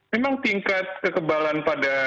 memang tingkat kekebalan pada